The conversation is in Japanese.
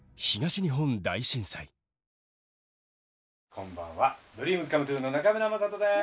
こんばんはＤＲＥＡＭＳＣＯＭＥＴＲＵＥの中村正人です。